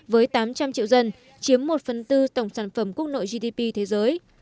với tám trăm linh triệu dân chiếm một phần tư tổng sản phẩm quốc nội gdp thế giới